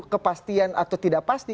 kepastian atau tidak pasti